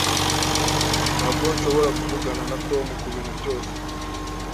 Ntabwo nshobora kuvugana na Tom kubintu byose.